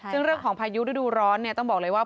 ซึ่งเรื่องของพายุฤดูร้อนต้องบอกเลยว่า